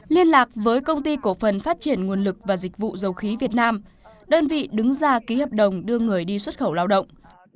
liên lạc với công ty cổ phần phát triển nguồn lực và dịch vụ dầu khí việt nam đơn vị đứng ra ký hợp đồng đưa người đi xuất khẩu lao động